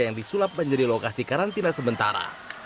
yang disulap menjadi lokasi karantina sementara